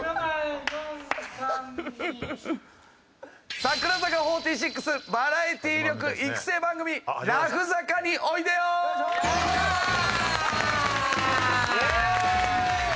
櫻坂４６バラエティ力育成番組「ラフ坂においでよ！」。イエーイ！